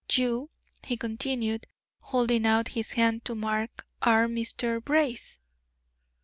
You," he continued, holding out his hand to Mark, "are Mr. Brace."